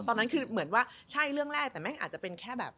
ตอนนั้นคือเหมือนว่าใช่เรื่องแรกแต่ไม่อาจจะเป็นแค่แบบ